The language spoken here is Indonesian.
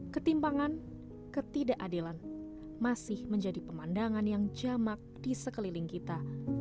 ketimpangan ketidakadilan masih menjadi pemandangan yang jamak di sekeliling kita